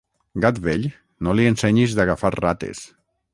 Gat vell, no li ensenyis d'agafar rates.